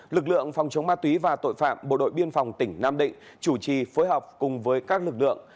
lực lượng phòng chống ma túy và tội phạm bộ đội biên phòng tỉnh nam định chủ trì phối hợp cùng với các lực lượng